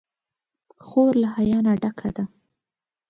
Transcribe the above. خور له حیا نه ډکه ده.